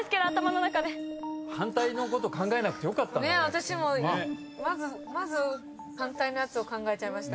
私もまず反対のやつを考えちゃいました。